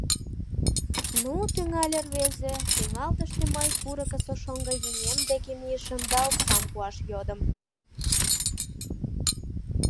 — Ну, — тӱҥале рвезе, — тӱҥалтыште мый курыкысо шоҥгыеҥем деке мийышым да оксам пуаш йодым.